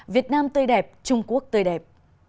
việt nam tươi đẹp trung quốc tươi đẹp